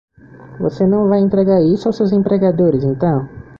Você não vai entregar isso aos seus empregadores então?